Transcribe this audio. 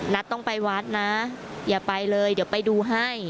ต้องไปวัดนะอย่าไปเลยเดี๋ยวไปดูให้